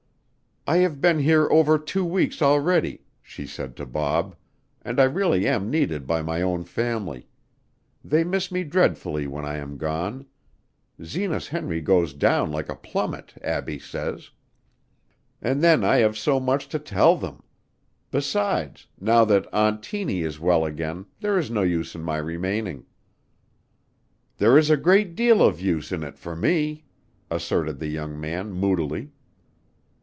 "I have been here over two weeks already," she said to Bob, "and I really am needed by my own family. They miss me dreadfully when I am gone. Zenas Henry goes down like a plummet, Abbie says. And then I have so much to tell them! Besides, now that Aunt Tiny is well again, there is no use in my remaining." "There is a great deal of use in it for me!" asserted the young man moodily.